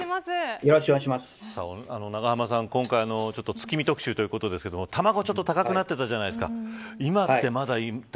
永濱さん、今回の月見特集ということですが卵ちょっと高くなってたじゃないですか。